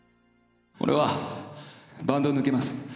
俺はバンドを抜けます。